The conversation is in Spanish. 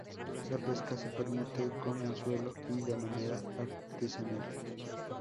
La pesca se permite con anzuelo y de manera artesanal.